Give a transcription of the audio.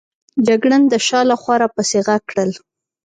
جګړن د شا له خوا را پسې ږغ کړل.